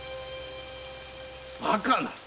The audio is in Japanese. バカな！